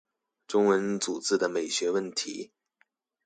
中文組字的美學問題